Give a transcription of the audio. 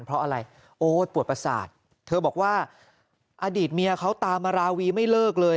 เพราะอะไรโอ้ยปวดประสาทเธอบอกว่าอดีตเมียเขาตามมาราวีไม่เลิกเลย